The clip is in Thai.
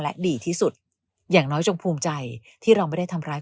และดีที่สุดอย่างน้อยจงภูมิใจที่เราไม่ได้ทำร้าย